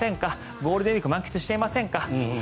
ゴールデンウィーク満喫していませんか？